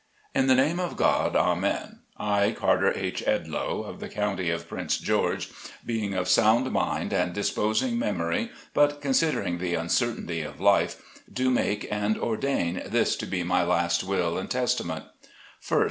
IN THE NAME OF GOD, AMEN !— I, CAR TER H. EDLOE, of the County of Prince George, being of sound mind and disposing memory, but considering the uncertainty of life, do make and ordain this to be my last Will and Testament : FREEDOM. 19 1st.